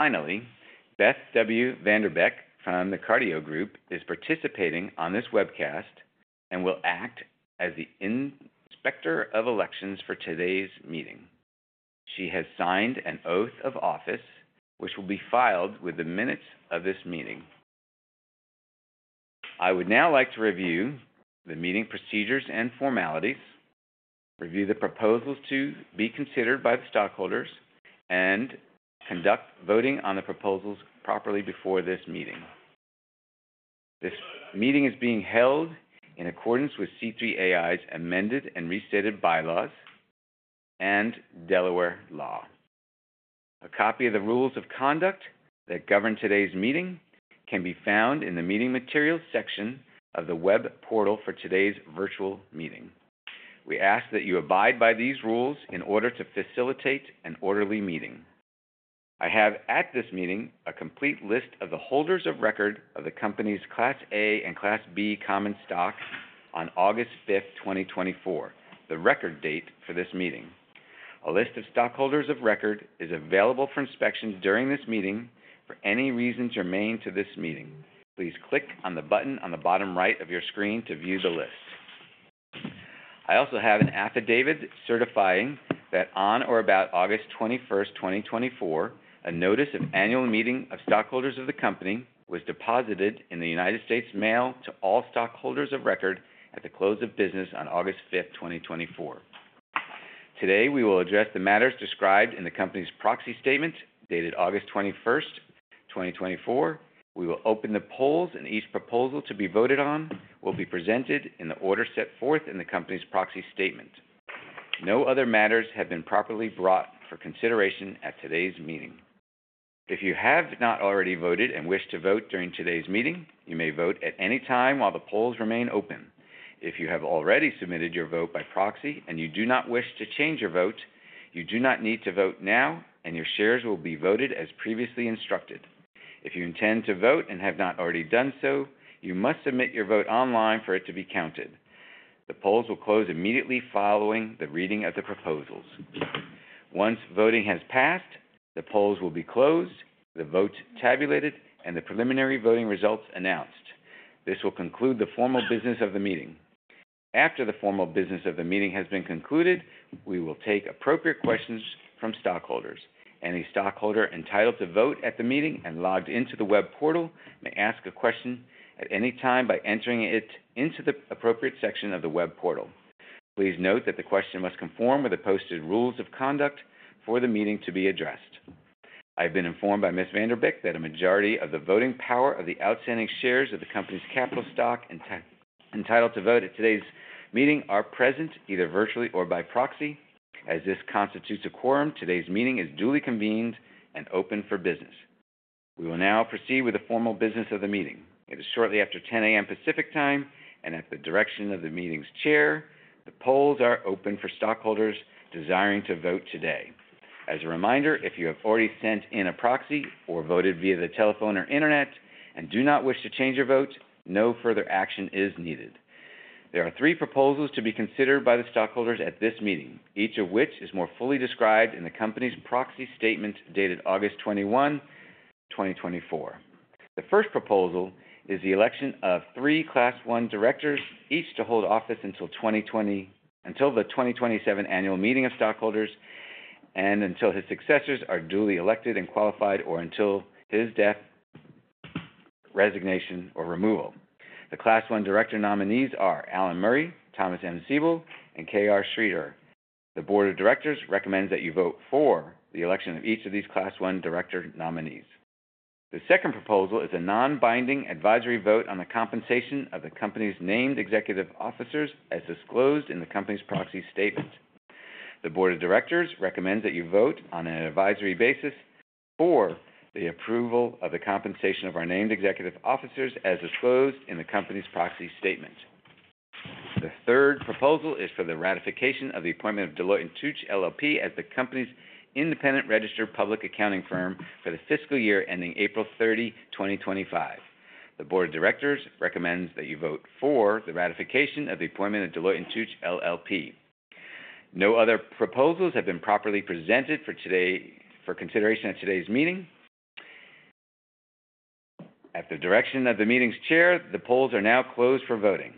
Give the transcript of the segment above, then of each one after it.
Finally, Beth W. Vanderbeck from The Carideo Group is participating on this webcast and will act as the Inspector of Elections for today's meeting. She has signed an oath of office, which will be filed with the minutes of this meeting. I would now like to review the meeting procedures and formalities, review the proposals to be considered by the stockholders, and conduct voting on the proposals properly before this meeting. This meeting is being held in accordance with C3.ai's amended and restated bylaws and Delaware law. A copy of the rules of conduct that govern today's meeting can be found in the Meeting Materials section of the web portal for today's virtual meeting. We ask that you abide by these rules in order to facilitate an orderly meeting. I have, at this meeting, a complete list of the holders of record of the company's Class A and Class B common stock on August fifth, twenty twenty-four, the record date for this meeting. A list of stockholders of record is available for inspection during this meeting for any reasons germane to this meeting. Please click on the button on the bottom right of your screen to view the list. I also have an affidavit certifying that on or about August twenty-first, twenty twenty-four, a notice of annual meeting of stockholders of the company was deposited in the United States Mail to all stockholders of record at the close of business on August 5th, 2024. Today, we will address the matters described in the company's proxy statement, dated August 21st, 2024. We will open the polls, and each proposal to be voted on will be presented in the order set forth in the company's proxy statement. No other matters have been properly brought for consideration at today's meeting. If you have not already voted and wish to vote during today's meeting, you may vote at any time while the polls remain open. If you have already submitted your vote by proxy and you do not wish to change your vote, you do not need to vote now, and your shares will be voted as previously instructed. If you intend to vote and have not already done so, you must submit your vote online for it to be counted. The polls will close immediately following the reading of the proposals. Once voting has passed, the polls will be closed, the votes tabulated, and the preliminary voting results announced. This will conclude the formal business of the meeting. After the formal business of the meeting has been concluded, we will take appropriate questions from stockholders. Any stockholder entitled to vote at the meeting and logged into the web portal, may ask a question at any time by entering it into the appropriate section of the web portal. Please note that the question must conform with the posted rules of conduct for the meeting to be addressed. I've been informed by Ms. Vanderbeck, that a majority of the voting power of the outstanding shares of the company's capital stock, entitled to vote at today's meeting are present, either virtually or by proxy. As this constitutes a quorum, today's meeting is duly convened and open for business. We will now proceed with the formal business of the meeting. It is shortly after 10 A.M. Pacific Time, and at the direction of the meeting's chair, the polls are open for stockholders desiring to vote today. As a reminder, if you have already sent in a proxy or voted via the telephone or internet and do not wish to change your vote, no further action is needed. There are three proposals to be considered by the stockholders at this meeting, each of which is more fully described in the company's proxy statement, dated August 21st, 2024. The first proposal is the election of three Class I directors, each to hold office until the 2027 Annual Meeting of Stockholders, and until his successors are duly elected and qualified, or until his death, resignation, or removal. The Class I director nominees are Alan Murray, Thomas Anderson, and K.R. Sridhar. The board of directors recommends that you vote for the election of each of these Class I director nominees. The second proposal is a non-binding advisory vote on the compensation of the company's named executive officers, as disclosed in the company's proxy statement. The board of directors recommends that you vote on an advisory basis for the approval of the compensation of our named executive officers, as disclosed in the company's proxy statement. The third proposal is for the ratification of the appointment of Deloitte & Touche, LLP, as the company's independent registered public accounting firm for the fiscal year ending April 30th, 2025. The board of directors recommends that you vote for the ratification of the appointment of Deloitte & Touche, LLP. No other proposals have been properly presented for consideration at today's meeting. At the direction of the meeting's chair, the polls are now closed for voting.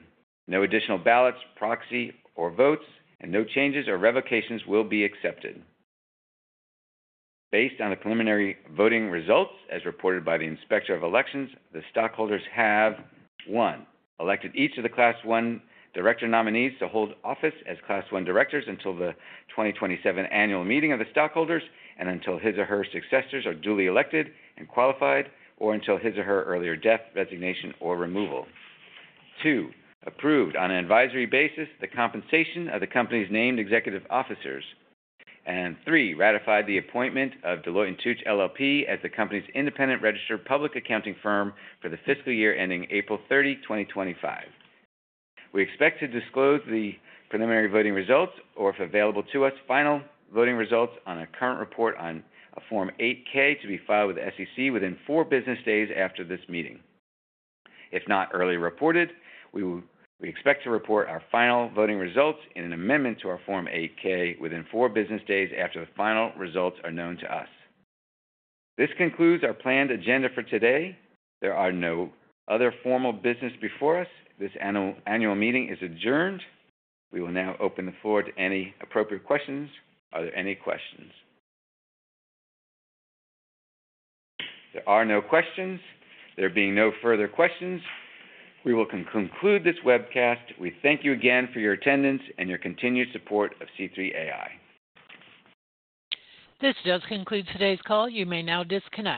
No additional ballots, proxy, or votes, and no changes or revocations will be accepted. Based on the preliminary voting results, as reported by the Inspector of Elections, the stockholders have, one, elected each of the Class I director nominees to hold office as Class I directors until the 2027 Annual Meeting of the Stockholders and until his or her successors are duly elected and qualified, or until his or her earlier death, resignation, or removal. Two, approved on an advisory basis the compensation of the company's named executive officers. And three, ratified the appointment of Deloitte & Touche, LLP, as the company's independent registered public accounting firm for the fiscal year ending April 30th, 2025. We expect to disclose the preliminary voting results, or if available to us, final voting results on a current report on a Form 8-K to be filed with the SEC within four business days after this meeting. If not early reported, we expect to report our final voting results in an amendment to our Form 8-K within four business days after the final results are known to us. This concludes our planned agenda for today. There are no other formal business before us. This annual meeting is adjourned. We will now open the floor to any appropriate questions. Are there any questions? There are no questions. There being no further questions, we will conclude this webcast. We thank you again for your attendance and your continued support of C3.ai. This does conclude today's call. You may now disconnect.